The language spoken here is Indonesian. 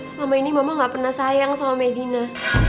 selama ini mama gak pernah sayang sama medina